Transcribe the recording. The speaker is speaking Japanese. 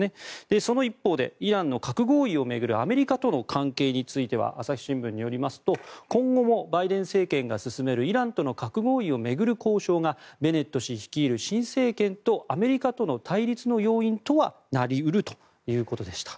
その一方でイランの核合意を巡るアメリカとの関係については朝日新聞によりますと今後もバイデン政権が進めるイランとの核合意を巡る交渉がベネット氏率いる新政権とアメリカとの対立の要因とはなり得るということでした。